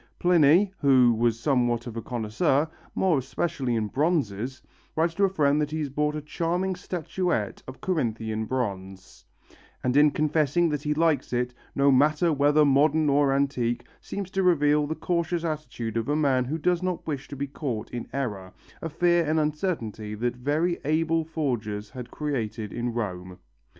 Pliny, who was somewhat of a connoisseur, more especially in bronzes, writes to a friend that he has bought a charming statuette of Corinthian bronze, and in confessing that he likes it, "no matter whether modern or antique," seems to reveal the cautious attitude of a man who does not wish to be caught in error, a fear and uncertainty that very able forgers had created in Rome.